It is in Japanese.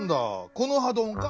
「このはどん」か？